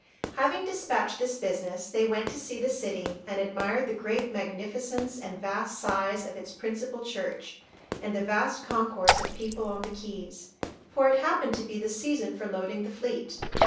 Having despatched this business, they went to see the city, and admired the great magnificence and vast size of its principal church, and the vast concourse of people on the quays, for it happened to be the season for loading the fleet.